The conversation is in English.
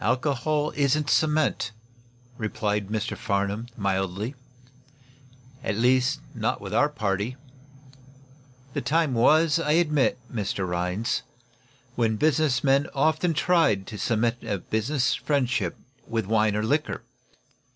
"Alcohol isn't cement," replied Mr. Farnum, mildly. "At least, not with our party. The time was, I admit, Mr. Rhinds, when business men often tried to cement a business friendship with wine or liquor.